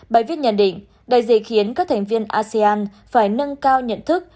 bài viết nhận định đại dịch khiến các thành viên asean phải nâng cao nhận thức